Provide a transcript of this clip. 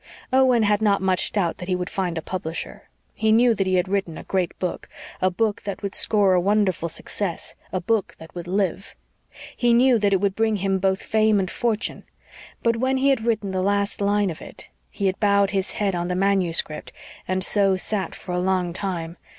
Owen had not much doubt that he would find a publisher. He knew that he had written a great book a book that would score a wonderful success a book that would LIVE. He knew that it would bring him both fame and fortune; but when he had written the last line of it he had bowed his head on the manuscript and so sat for a long time.